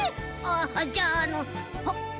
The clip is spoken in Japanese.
あじゃああのあっ！